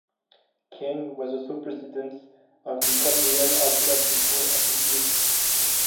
King was also president of the Cambrian Archaeological Association.